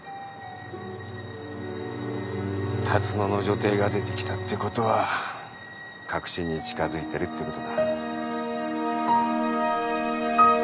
龍野の女帝が出てきたってことは核心に近づいてるってことだ。